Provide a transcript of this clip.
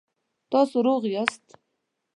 تاسو روغ یاست؟